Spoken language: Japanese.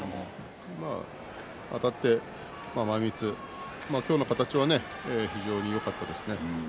あたって前みつ、今日の形は非常によかったですね。